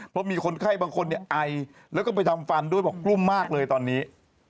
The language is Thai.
เพราะมีคนไข้บางคนเนี่ยไอแล้วก็ไปทำฟันด้วยบอกกลุ้มมากเลยตอนนี้